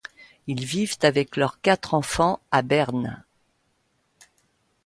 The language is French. Ils vivent avec leurs quatre enfants à Berne.